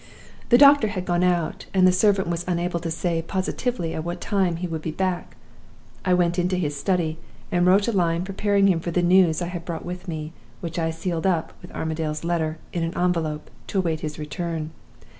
"The doctor had gone out, and the servant was unable to say positively at what time he would be back. I went into his study, and wrote a line preparing him for the news I had brought with me, which I sealed up, with Armadale's letter, in an envelope, to await his return.